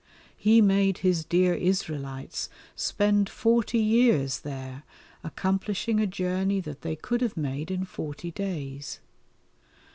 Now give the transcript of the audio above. He made His dear Israelites spend forty years there, accomplishing a journey that they could have made in forty days.